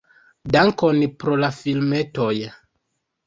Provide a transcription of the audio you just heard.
Dankon pro la filmetoj!"